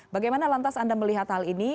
bagaimana lantas anda melihat hal ini